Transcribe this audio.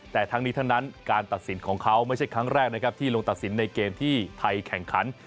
แต่ทั้งนี้ทั้งนั้นการตัดสินของเขาไม่ใช่ครั้งแรกนะครับที่ลงตัดสินในเกมที่ไทยแข่งขัน